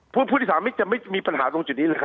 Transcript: ผู้โดยสารจะไม่มีปัญหาตรงจุดนี้เลยครับ